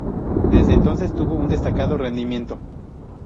Desde entonces tuvo un destacado rendimiento.